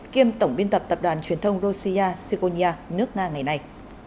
kiêm tổng biên tập tập đoàn truyền thông rossia sykonia nước nga ngày nay